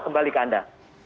kembali ke anda